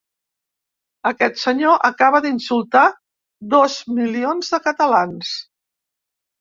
Aquest senyor acaba d'insultar dos milions de catalans.